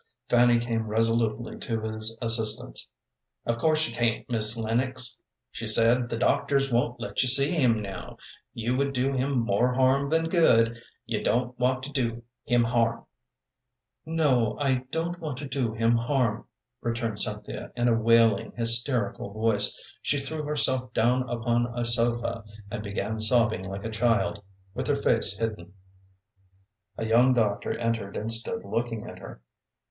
Fanny came resolutely to his assistance. "Of course you can't, Miss Lennox," she said. "The doctors won't let you see him now. You would do him more harm than good. You don't want to do him harm!" "No, I don't want to do him harm," returned Cynthia, in a wailing, hysterical voice. She threw herself down upon a sofa and began sobbing like a child, with her face hidden. A young doctor entered and stood looking at her.